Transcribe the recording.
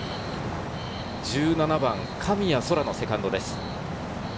１７番、神谷そらのセカンドです。